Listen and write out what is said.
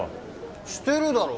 してるだろ。